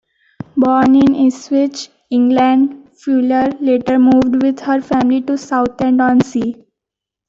Born in Ipswich, England, Fuller later moved with her family to Southend-on-Sea.